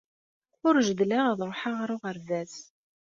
Ur jeddleɣ ad ṛuḥeɣ ɣer uɣerbaz.